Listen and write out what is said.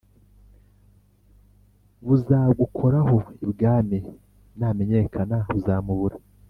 buzagukoraho ibwami namenyekana uzamubura